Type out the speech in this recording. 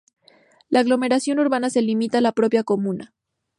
La aglomeración urbana se limita a la propia comuna.